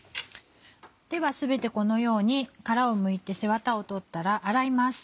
では全てこのように殻をむいて背ワタを取ったら洗います。